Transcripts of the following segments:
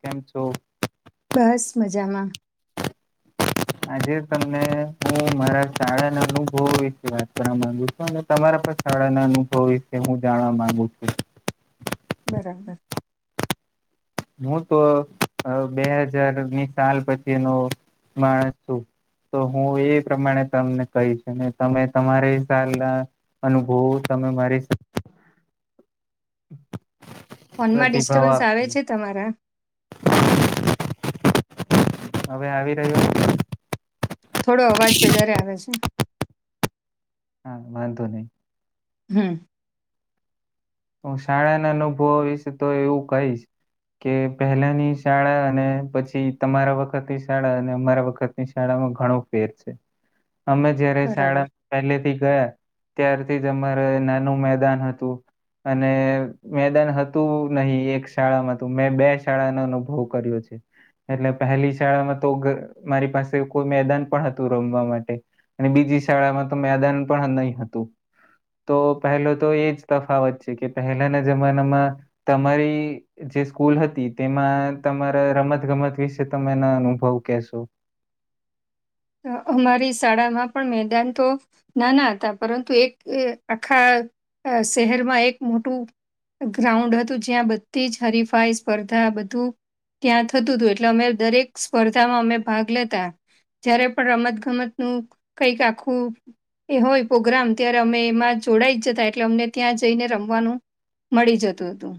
કેમ છો. બસ મજામાં. આજે તમને હું મારા શાળાના અનુભવ વિશે વાત કરવા માંગુ છું અને તમારા શાળાના અનુભવ વિશે હું જાણવા માંગુ છું. બરાબર. હું તો બે હજાર ની સાલ પછીનો માણસ છું. તો હું એ પ્રમાણે તમને કહીશ ને તમે તમારી સાલ ના અનુભવો તમે મારી [inaudible] ફોનમાં પ્રતિભાવ ડિસ્ટર્બન્સ આવે આપજો. છે તમારા. હવે આવી રહ્યો છે? થોડો અવાજ વધારે આવે છે. હા એ વાંધો નહિ. હમ. હું શાળાના અનુભવો વિશે તો એવું કઈશ કે પહેલાની શાળા અને પછી તમારા વખતની શાળા અને અમારા વખતની શાળામાં ઘણો ફેર છે અમે જયારે બરાબર. શાળા પહેલેથી ગયા ત્યારથી જ અમારે નાનું મેદાન હતું. અને મેદાન હતું નહી એક શાળામાં તો મેં બે શાળાનો અનુભવ કર્યો છે. એટલે પહેલી શાળામાં તો મારી પાસે કોઈ મેદાન પણ હતું રમવા માટે. અને બીજી શાળામાં તો મેદાન પણ નહી હતું. તો પહેલો તો એજ તફાવત છે એ કે પહેલાના જમાનામાં તમારી જે સ્કૂલ હતી તેમાં તમારે [unintelligible] રમત-ગમત વિશે તમે એના અનુભવ કેહેશો. અહ અમારી શાળામાં પણ મેદાન તો નાના હતા, પરંતુ એક અહ આખા અહ શહેરમાં એક મોટું ગ્રાઉન્ડ હતું, જ્યાં બધી જ હરીફાઈ, સ્પર્ધા બધું ત્યાં થતું તું એટલે અમે દરેક સ્પર્ધામાં અમે ભાગ લેતા. જયારે પણ રમત ગમત નું કંઈક આખું એ હોય પોગ્રામ ત્યારે અમે એમાં જોડાઈ જ જતા, એટલે અમને ત્યાં જઈને રમવાનું મળી જતું હતું.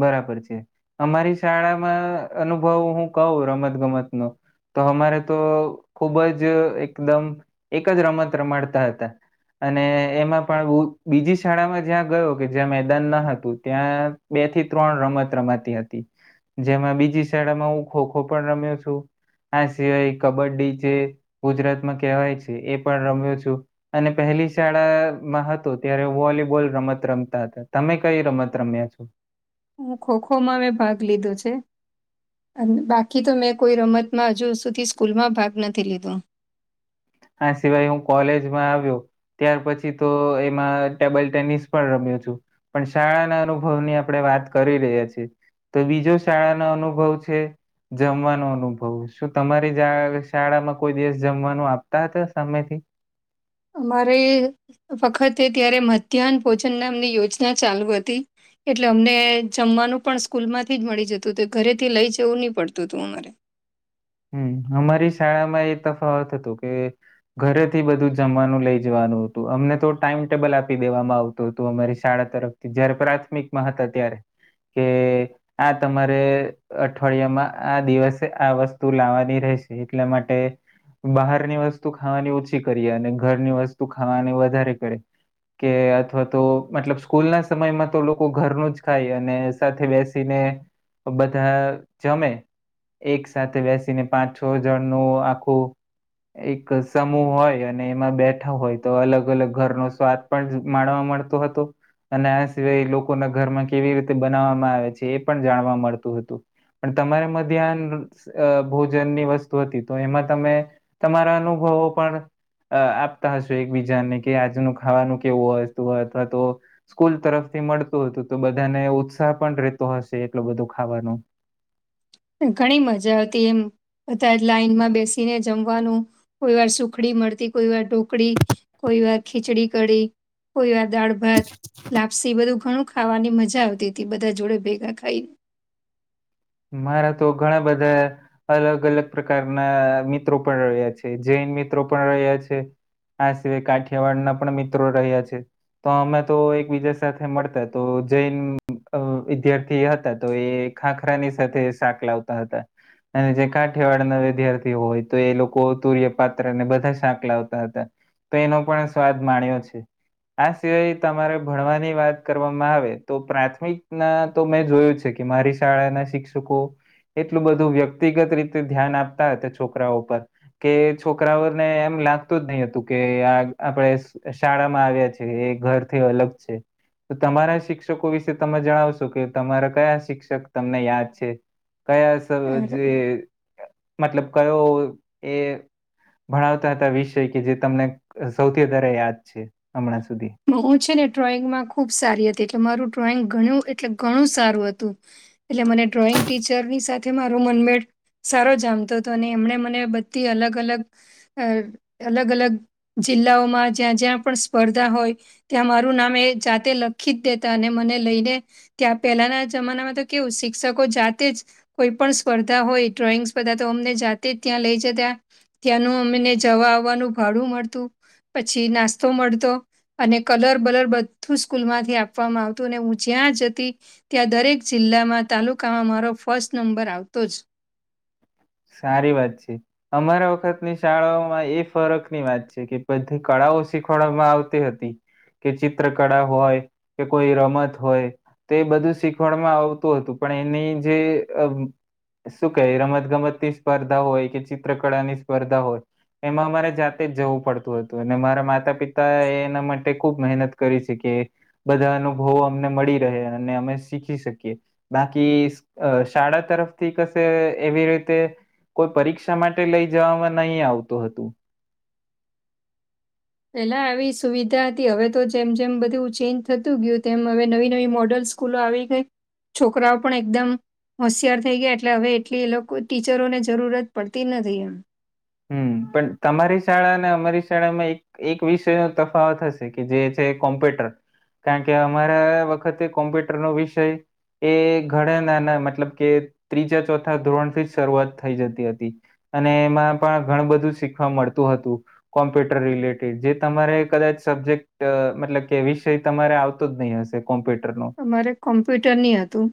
બરાબર છે. અમારી શાળામાં અનુભવ હું કહું રમત ગમત નો તો અમારે તો ખુબ જ એકદમ એક જ રમત રમાડતા હતા. અને એમાં પણ બીજી શાળામાં જ્યાં ગયો કે જ્યાં મેદાન ન હતું, ત્યાં બે થી ત્રણ રમત રમાતી હતી. જેમાં બીજી શાળામાં હું ખો ખો પણ રમ્યો છું આ સિવાય કબડ્ડી જે ગુજરાતમાં કહેવાય છે એ પણ રમ્યો છું, અને પહે હેલી શાળામાં હતું ત્યારે વોલીબોલ રમત રમતા હતા. તમે કઈ રમત રમ્યા છો? હું ખો ખોમાં મેં ભાગ લીધો છે. બાકી તો મેં કોઈ રમતમાં હજુ સુધી સ્કૂલમાં ભાગ નથી લીધો. આ સિવાય હું કોલેજમાં આવ્યો ત્યાર પછી તો એમાં ટેબલ ટેનિસ પણ રમ્યો છું પણ શાળાના અનુભવની આપણેે વાત કરી રહ્યા છે તો બીજો શાળાનો અનુભવ છે જમવાનો અનુભવ શું તમારી શાળામાં કોઈ દિવસ જમવાનું આપતા હતા સમયથી અમારે વખતે ત્યારે મધ્યાહન ભોજન નામની યોજના ચાલુ હતી એટલે અમને જમવાનું પણ સ્કૂલ માંથી જ મળી જતું હત ઘરેથી લઈ જવું નહી પડતું હતું અમારે [inaudible] હમ અમારી શાળામાં એ તફાવત હતો કે ઘરેથી બધું જમવાનું લઇ જવાનું અમને તો ટાઈમ ટેબલ આપી દેવામાં આવતું હતું અમારી શાળા તરફથી જયારે પ્રાથમિકમાં હતા ત્યારે કે આ તમારે અઠવાડિયામાં આ દિવસે આ વસ્તુ લાવવાની રહેશે એટલા માટે બહારની વસ્તુ ખાવાની ઓછી કરીએ અને ઘરની વસ્તુ ખાવાની વધારે કરી કે અથવા તો મતલબ સ્કૂલ ના સમયમાં તો લોકો ઘરનું જ ખાય અને સાથે બેસીને બધા જમે એક સાથે બેસીને પાંચ છ હજારનું આખું એક સમૂહ હોય અને એમાં બેઠા હોય તો અલગ અલગ ઘરનો સ્વાદ પણ માણવાવામાં મળતો હતો અને આ સિવાય લોકોના ઘરમાં કેવી રીતે બનાવવામાં આવે છે એ પણ જાણવા મળતું હતું પણ તમારે ધ્યાન અ ભોજનની વસ્તુ હતી તો એમાં તમે તમારા અનુભવો પણ અ આપતા હશો એકબીજાને કે આજનું ખાવાનું કેવું હોતુ અથવા તો સ્કૂલ તરફ મળતું હતું તો બધાને ઉત્સાહ પણ રહેતો હશે એટલો બધો ખાવાનું ઘણી મજા આવતી એમ બધા લાઈન માં બેસીને જમવાનું કોઈ વાર સુખડી મળતી કોઈ વાર ઢોકળી કોઈ કોઈ વાર ખીચડી કડી કોઈ વાર દાળ ભાત લાપસી બધું ઘણું ખાવાની મજા આવતી હતી બધા જોડે ભેગા ખાઈ મારા તો ઘણા બધા અલગ અલગ પ્રકારના મિત્રો પણ રહ્યા છે જૈન મિત્રો પણ રહ્યા છે આ સિવાય કાઠિયાવાડના પણ મિત્રો રહ્યા છે તો અમે તો એકબીજા સાથે મળતા તો જૈન વિદ્યાર્થી હતા તો એ ખાખ ખરાની સાથે શાક લાવતા હતા અને જે કાઠિયાવાડના વિદ્યાર્થી હોય તો એ લોકો તુર્ય પાત્રને બધા શાક લાવતા હતા તો એનો પણ સ્વાદ માણ્યો છે આ સિવાય તમારે ભણવાની વાત કરવામાં આવે તો પ્રાથમિક ના તો મેં જોયું છે કે મારી શાળા ના શિક્ષકો એટલું બધું વ્યક્તિગત રીતે ધ્યાન આપતા હતા છોકરા પર કે છોકરાઓને એમ લાગતું જ નહી હતું કે આ આપણેે શાળામાં આવ્યા છીએ ઘરથી અલગ છે તો તમારા શિક્ષકો વિશે તમે જણાવશો કે તમારા કયા શિક્ષક તમને યાદ છે કયા સ જે મતલબ કયો એ ભણાવતા હતા વિષય કે જે તમને સૌથી વધારે યાદ છે હમણાં સુધી હું છે ને ડ્રોઈંગમાં ખૂબ સારી હતી એટલે મારું ડ્રોઈંગ ઘણ એટલે ઘણું સારું હતું એટલે મને ડ્રોઈંગ ટીચર ની સાથે મારો મનમેળ સારો જામતો હતો અને એમણે મને બધી અલગ અલગ અ અલગ અલગ જિલ્લાઓમાં જ્યાં જ્યાં પણ સ્પર્ધા હોય ત્યાં મારું નામ એ જાતે લખી જ દેતા અને મને લઈને ત્યાં પેલાના જમામાં કેવ શિક્ષકો જાતે જ કોઈ પણ સ્પર્ધા હોય ડ્રોઈંગ સ્પર્ધા તો અમને જાતે જ ત્યા લઈ જતા ત્યાંનું અમને જવા આવવાનું ભાડું મળતું પછી નાસ્તો મળતો અને કલર બલર બધું સ્કૂલમાંથી આપવામાં આવતું અને હું જ્યાં જતી ત્યાં દરેક જિલ્લામાં તાલુકામાં મારો ફર્સ્ટ નંબર આવતો જ [inaudible] સારી વાત છે અમારા વખતની શાળાઓમાં એ ફરક ની વાત છે કે બધી કળા શીખવાડવામાં આવતી હતી કે ચિત્ર કળા હોય કે કોઈ રમત હોય. તે બધું શીખવાણમાં આવતું હતું પણ એની જે શું ક રમત ગમતની સ્પર્ધા હોય કે ચિત્રકળાની સ્પર્ધા હોય. એમાં અમારે જાતે જ જવું પડતું હતું અને મારા માતા પિતા એના માટે ખુબ મહેનત કરી શકી. બધા અનુભવો અમને મળી રહે અને અમે શીખી શકીએ બાકી શાળા તરફથી કશે એવી રીતે. કોઈ પરીક્ષા માટે લઈ જવામાં નહી આવતું હતું. પેલા આવી સુવિધા હતી હવે તો જેમ જેમ બધું ચેન્જ થતું ગયું તેમ હવે નવી નવી મોડલ્સ સ્કૂલો આવી ગઈ છોકરાઓ પણ એકદમ હોશિયાર થઈ ગયા એટલે હવે એટલી એ લોકો ટીચરોને જરૂરત પડતી જ નથી એમ. હમ. પણ તમારી શાળા અને અમારી શાળામાં એક એક વિષય ન તફાવત થશે કે જે છે કોમ્પ્યુટર કારણ કે અમારા વખતે કોમ્પ્યુટર નો વિષય એ ઘણે નાના મતલબ કે ત્રીજા ચોથા ધોરણ થી જ શરૂઆત થઈ જતી હતી અને એમાં પણ ઘણ બધું શીખવા મળતું હતું કોમ્પ્યુટર રિલેટેડ જે તમારે કદાચ સબ્જેક્ટ મતલબ કે વિષય તમારે આવતો જ નહીં હશે. કોમ્પ્યુટરનો અરે કોમ્પ્યુટર ની હતું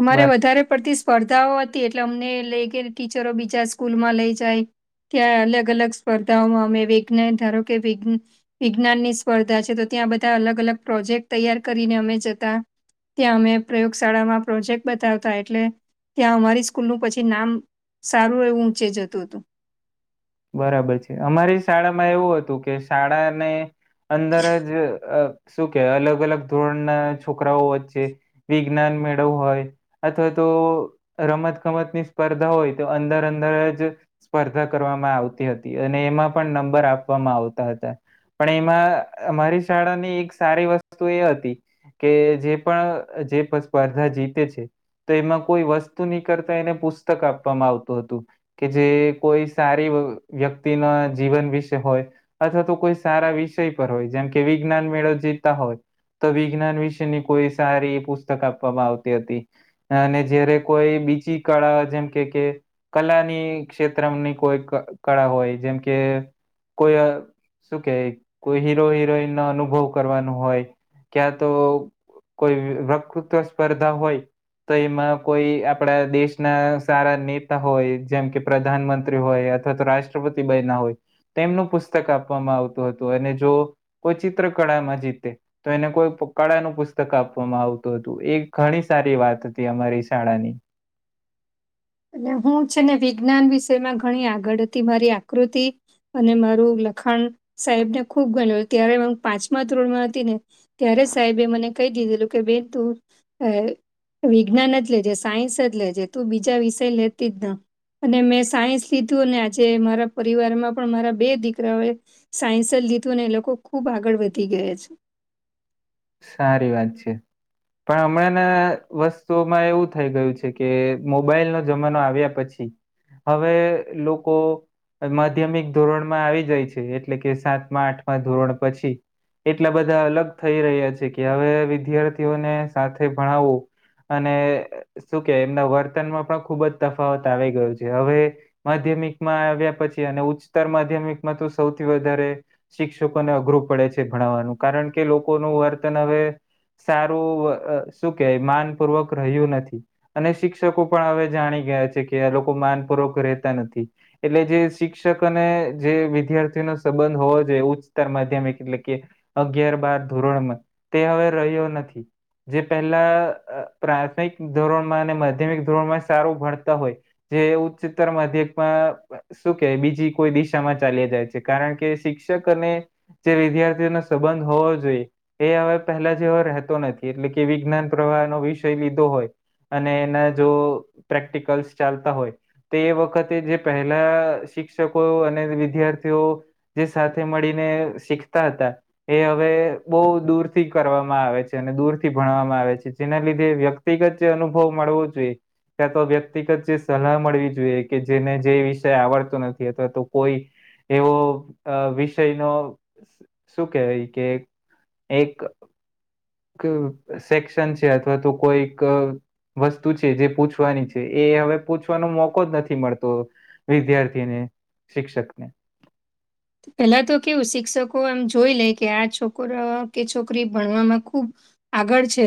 અમારે વધારે પડ સ્પર્ધાઓ હતી એટલે અમને લઈ ગય ટીચરો બીજા સ્કૂલમાં લઈ જાય ત્યાં અલગ અલગ સ્પર્ધાઓમાં અમે વિજ્ઞાન ધારો કે વિજ્ઞાન ની સ્પર્ધા છે તો બધા અલગ અલગ પ્રોજેક્ટ તૈયાર કરીને અમે જતા. ત્યાં અમે પ્રયોગશાળામાં પ્રોજેક્ટ બતાવતા એટલે ત્યાં અમારી સ્કૂલનું પછી નામ સારું એવું ઊંચે જતું હતું બરાબર છે અમારી શાળામાં એવું હતું કે શાળાને અંદર જ શું કે અલગ અલગ ધોરણના છોકરાઓ વચ્ચે વિજ્ઞાન. મેળવું હોય અથવા તો રમત ગમતની સ્પર્ધા હોય તો અંદર અંદર જ સ્પર્ધા કરવામાં આવતી હતી અને એમાં પણ નંબર આપવામાં આવતા હતા. પણ એમાં અમારી શાળાની એક સારી વસ્તુ એ હતી. કે જે પણ જે સ્પર્ધા જીતે છે. તો એમાં કોઈ વસ્તુ નીકળતા એને પુસ્તક આપવામાં આવતું હતું કે જે કોઈ સ વ્યક્તિના જીવન વિશે હોય અથવા તો કોઈ સારા વિષય પર હોય. જાન કેવી વિજ્ઞાન મેળો જીતા હોય. તો વિજ્ઞાન વિશેની કોઈ સારી પુસ્તક આપવામાં આવતી હતી. અને જયારે કોઈ બીચ કળા જેમ કે કે કલાની ક્ષેત્ર કોઈ કળા હોય જેમ કે કોઈ શું કે કોઈ હીરો હિરોઈન નો અનુભવ કરવાનું હોય. ક્યાં તો કોઈ વકૃતવ સ્પર્ધા હોય. તો એમાં કોઈ આપણા દેશના સારા નેતા હોય જેમ કે પ્રધાનમંત્રી. હોય અથવા તો રાષ્ટ્રપતિ બ ના હોય તેમનું પુસ્તક આપવામાં આવતું હતું અને જો કો ચિત્ર કળામાં જીતે તો એને કોઈ કળાનું પુસ્તક આપવામાં આવતું હતું. એ ઘણી સારી વાત હતી અમારી શાળાની. અને હું છે ને વિજ્ઞાન વિષયમાં ઘણી આગળ હતી મારી આકૃતિ અને મારું લખાણ સાહેબ ને ખુબ ગણ ત્યારે પાંચમા ધોરણમાં હતી ને ત્યારે સાહેબે મને ક કે બે ત વિજ્ઞાન જ લેજે સાયન્સ જ લેજે તું બીજા વિ લેતીના. અને મેં સાયન્સ લીધું અને આજે મારા પરિવારમાં પણ મારા બે દીકરાઓ એ સાયન્સ લીધું ને એ લોકો ખુબ આગળ વધી ગયા છે. સારી વાત છે. પણ હમણાંના વસ્તુઓમાં એવું થઈ ગયું છે, કે મોબાઈલનો જમાનો આવ્યા પછી. હવે લોકો માધ્યમિક ધોરણમાં આવી જાય છે, એટલે કે સાતમાં આઠમાં ધોરણ પછી. એટલા બધા અલગ થઈ રહ્યા છે કે હવે વિદ્યાર્થીઓને સાથે ભણાવવું. અને શું કે એમના વર્તનમાં પણ ખુબ જ તફાવત આવી ગયો છે, હવેધ્ય મામિકમાં આવ્યા પછી અને ઉચ્તર માધ્યમિકમાં તો સૌથી વધારે શિક્ષકોને અઘરું પડે. ભણવાનું કારણ કે લોકોનું વર્તન હવે સારું શું કે માનપૂર્વક રહ્યું નથી અને શિક્ષકો પણ હવે જાણી કે લોકો માનપૂર્વક રતા નથી એટલે જે શિક્ષક અને જે વિદ્યાર્થી સંબંધ હોવો જોઈએ ઉચ્ચતર માધ્યમિક એટલે કે અગિયાર બાર ધોરણમાં તે હવે રહ્યો નથી. જે પહેલા પ્રાથમિક ધોરણમાં અને માધ્યમિક ધોરણમાં સારું ભણતા હોય. જે ઉચ્ચતર માધ્યમાં શું કે બીજી કોઈ દિશામાં ચાલી જાય છે, કારણ કે શિક્ષક શિક્ અને જે વિદ્યાર્થીઓ ન સંબંધ હોવો જોઈએ. એ હવે પહેલા જેવો રહેતો નથી એટલે કે વિજ્ઞાન પ્રવાહનો વિષય લીધો હોય. અને એના જો પ્રેક્ટિકલ્સ ચાલતા હોય. તો એ વખતે જે પહેલા શિક્ષકો અને વિદ્યાર્થીઓ જે સાથે મળીને. શીખતા હતા એ હવે બો દૂર થી કરવામાં આવે છે અને દૂર થી ભણવામાં આવે છે, જેના લીધે વ્યક્તિગત જે અનુભવ મળવો જોઈએ ત્યાં તો વ્યક્તિગત જે સલાહ મળવી જોઈએ કે જેને જે વિષય આવડતો નથી અથવા તો કોઈ એવો વિષય ન શું કેવાય કે એક સેક્શન છે, અથવા તો કોઈક વસ્તુ છે જે પૂછવાની છે એ હવે પૂછવાનો મોકો જ નથી મળતો વિદ્યાર્થીને. શિક્ષકને. પેલા તો કેવું શિક્ષકો એમ જોઈ લે કે આ છોકરા કે છોકરી ભણવામાં ખુબ. આગળ છે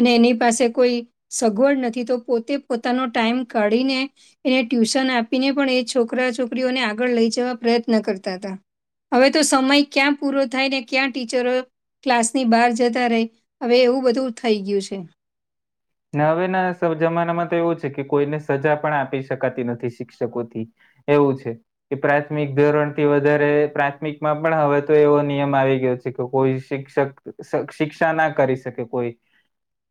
અને એની પાસે કોઈ સગવડ નથી તો પોતે પોતાનો ટાઈમ. પાડીને એને ટ્યુશન આપીને પણ એ છોકરા છોકરીઓને આગળ લઈ જવા પ્રયત્ન કરતા. હવે તો સમય ક્યાં પૂરો થાય ને ક્યાં ટીચરો ક્લાસની બહાર જતા રહે હવે એવું બધું થઈ ગયું છે. હવેના જમાનામાં તો એવું છે કે કોઈને સજા પણ આપી શકાતી નથી શિક્ષકોથી. એવું છે કે પ્રાથમિક ધોરણ થી વધારે પ્રાથમિક માં પણ હવે તો એવો નિયમ આવી ગયો. કે કોઈ શિક્ષક શિક્ષા ના કરી શકે કોઈ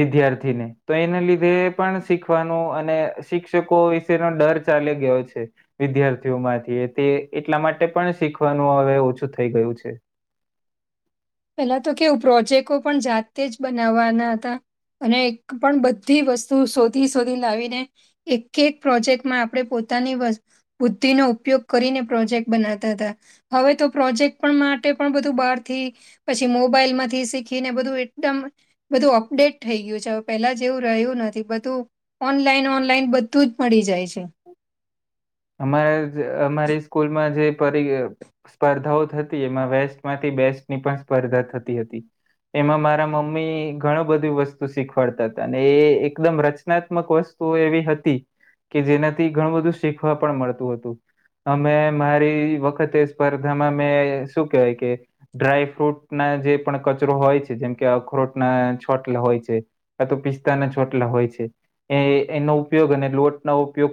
વિદ્યાર્થીને. તો એના લીધે પણ શીખવાનું અને શિક્ષકો વિશેનો ડર ચાલે ગયો છે વિદ્યાર્થીઓ માંથી તે એટલા માટે પણ શીખવાનું હવે ઓછું થઈ ગયું છે [inaudible] [unintelligible] પેલા તો કેવું પ્રોજેક્ટો પણ જાતે જ બનાવવાના હતા અને એક પણ બધી વસ્તુ શોધી શોધી લાવીને એક એક પ્રોજેક્ટમાં આપણે પો પો બુદ્ધિ ન ઉપયોગ કરીને પ્રોજેક્ટ બનાતા હતા હવે તો પ્રોજેક્ટ પણ માટે પણ બધું બહાર થી પછી મોબાઈલમાંથી શીખીને બધું એકદમ બધું અપડેટ થઈ ગયું છે હવે પેલા જેવું રહ્યું નથી બધું ઓનલાઈન ઓનલાઈન બધું જ મળી જાય છે અમારા અમારી સ્કૂલમાં જે સ્પર્ધાઓ થતી એમાં વેસ્ટમાંથી બેસ્ટની પણ સ્પર્ધા થતી હતી એમાં મારા મમ્મી ઘણું બધી વસ્તુ શીખવાડતા હતા અને એ એકદમ રચનાત્મક વસ્તુ ુ એવી હતી કે જેનાથી ઘણું બધું શીખવા પણ મળતું હતું અમે મારી વખતે સ્પર્ધામાં મેં શું કેવાય કે ડ્રાયફ્રૂટ ના જે પણ કચરો હોય છે જેમ કે અખરોટ ના છોટલા હોય છે ક તો પિસ્તા ના છોટલા હોય છે એનો ઉપયોગ અને લોટ ન ઉપયોગ